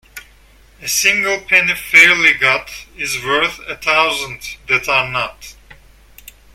A single penny fairly got is worth a thousand that are not.